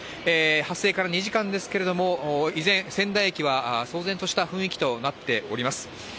発生から２時間ですけれども、依然、仙台駅は騒然とした雰囲気となっております。